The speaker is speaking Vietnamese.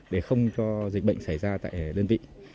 để không cho dịch bệnh xảy ra tại đơn vị